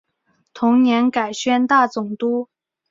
同年改宣大总督。